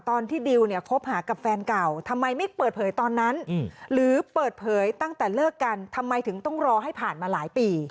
ตอนที่ดิวคบหากับแฟนเก่า